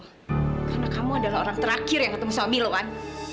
karena kamu adalah orang terakhir yang ketemu sama milo wan